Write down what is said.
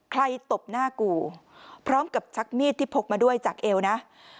ตบหน้ากูพร้อมกับชักมีดที่พกมาด้วยจากเอวนะ